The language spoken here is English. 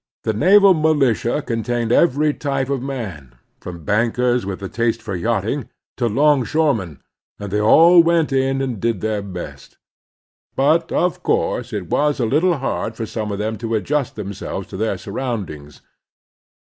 The naval militia contained every type »7 258 The Strenuous Life of man, from bankers with a taste for yachting to longshoremen, and they all went in and did their best. But of course it was a little hard for some of them to adjust themselves to their surrotmd ings.